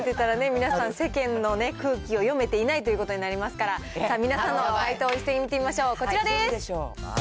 皆さん世間の空気を読めていないということになりますから、さあ、皆さんの解答を一斉に見てみましょう、こちらです。